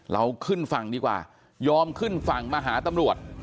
เราขึ้นฝั่งดีกว่ายอมขึ้นฝั่งมาหาตำรวจ